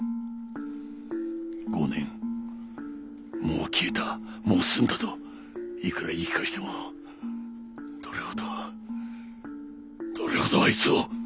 ５年もう消えたもう済んだといくら言い聞かせてもどれほどどれほどあいつを。